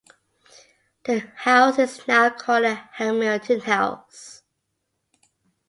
The house is now called the "Hamilton House".